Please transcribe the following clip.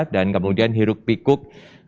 dan kemudian hiruk pikuk